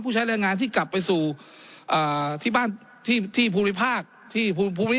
ผู้ใช้แรงงานที่กลับไปสู่อ่าที่บ้านที่ที่ภูมิภาคที่ภูมิภูมิ